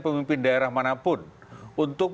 pemimpin daerah manapun untuk